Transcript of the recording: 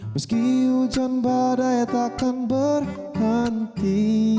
meski hujan badai takkan berhenti